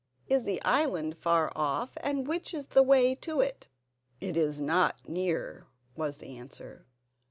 "Is the island far off, and which is the way to it?" "It is not near," was the answer.